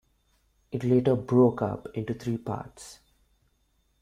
It later broke up into three parts.